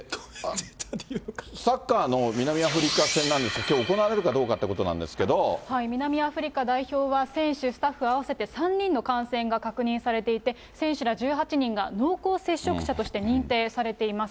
サッカーの南アフリカ戦なんですが、きょう、行われるかどう南アフリカ代表は、選手、スタッフ合わせて３人の感染が確認されていて、選手ら１８人が濃厚接触者として認定されています。